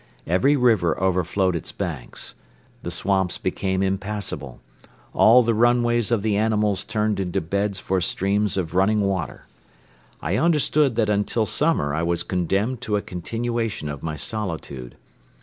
Every river overflowed its banks; the swamps became impassable; all the runways of the animals turned into beds for streams of running water. I understood that until summer I was condemned to a continuation of my solitude.